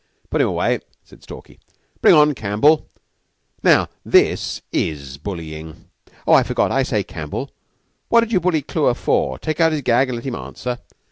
"Put him away," said Stalky. "Bring on Campbell. Now this is bullyin'. Oh, I forgot! I say, Campbell, what did you bully Clewer for? Take out his gag and let him answer."